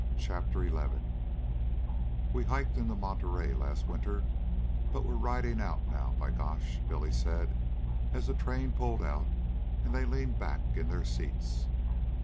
CHAPTER XI "We hiked into Monterey last winter, but we're ridin' out now, b 'gosh!" Billy said as the train pulled out and they leaned back in their seats.